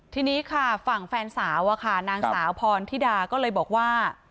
ทีนี้ค่ะฝั่งแฟนสาวอะค่ะนางสาวพรธิดาก็เลยบอกว่า